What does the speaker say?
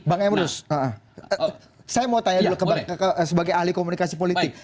bang emrus saya mau tanya dulu sebagai ahli komunikasi politik